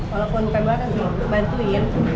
walaupun bukan buatan sih loh bantuin